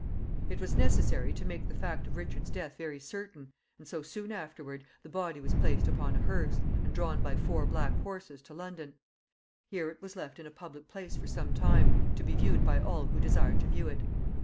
It was necessary to make the fact of Richard's death very certain, and so, soon afterward, the body was placed upon a hearse, and drawn by four black horses to London. Here it was left in a public place for some time, to be viewed by all who desired to view it.